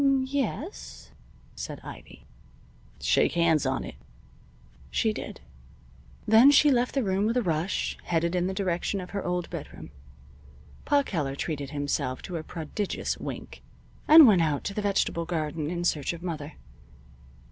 "M m m yes," said Ivy. "Shake hands on it." She did. Then she left the room with a rush, headed in the direction of her own bedroom. Pa Keller treated himself to a prodigious wink and went out to the vegetable garden in search of Mother.